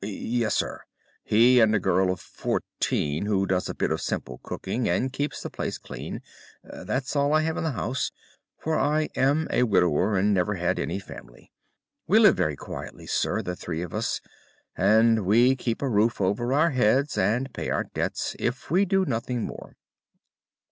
"Yes, sir. He and a girl of fourteen, who does a bit of simple cooking and keeps the place clean—that's all I have in the house, for I am a widower and never had any family. We live very quietly, sir, the three of us; and we keep a roof over our heads and pay our debts, if we do nothing more.